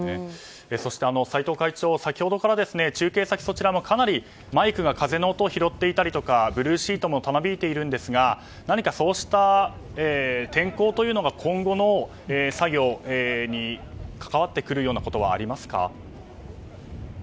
そして、斎藤会長先ほどから中継先、マイクが風の音を拾っていたりとかブルーシートもたなびいているんですが何か、そうした天候というのが今後の作業に関わってくるようなことはありますか。